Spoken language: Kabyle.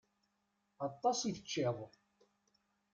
Aṭas i teččiḍ.